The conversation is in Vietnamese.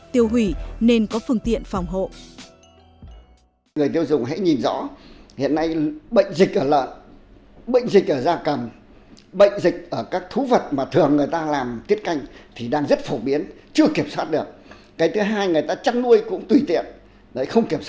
tiêu hủy nên có phương tiện phòng hộ